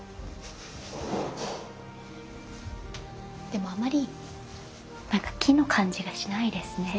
でもあまり木の感じがしないですね。